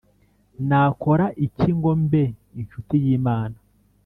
Nakora iki ngo mbe incuti y Imana